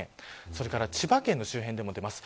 それから千葉県の周辺でも出ます。